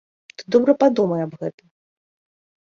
Ты добра падумай аб гэтым.